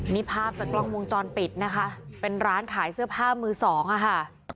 นี่ภาพจากกล้องวงจรปิดนะคะเป็นร้านขายเสื้อผ้ามือสองอ่ะค่ะ